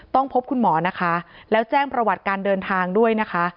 พบคุณหมอนะคะแล้วแจ้งประวัติการเดินทางด้วยนะคะ